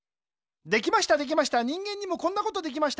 できましたできました人間にもこんなことできました。